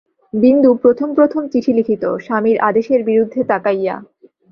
বিন্দু প্রথম প্রথম চিঠি লিখিত, স্বামীর আদেশের বিরুদ্ধে তাকাইয়া।